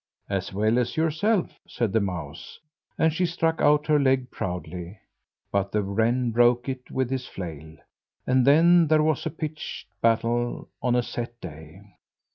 "As well as yourself," said the mouse, and she struck out her leg proudly. But the wren broke it with his flail, and there was a pitched battle on a set day.